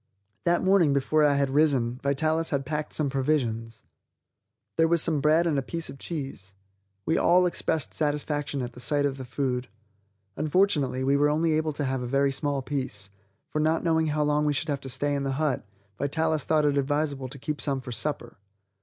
That morning before I had risen, Vitalis had packed some provisions. There was some bread and a piece of cheese. We all expressed satisfaction at the sight of the food. Unfortunately, we were only able to have a very small piece, for not knowing how long we should have to stay in the hut, Vitalis thought it advisable to keep some for supper.